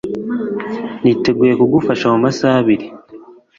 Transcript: Niteguye kugufasha mumasaha abiri.